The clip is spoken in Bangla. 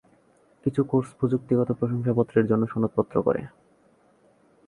কিছু কোর্স প্রযুক্তিগত প্রশংসাপত্রের জন্য সনদপত্র করে।